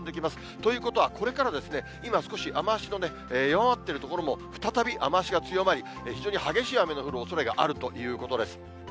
ということは、これから、今少し雨足の弱まっている所も、再び雨足が強まり、非常に激しい雨が降るおそれがあるということです。